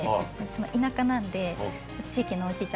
田舎なんで。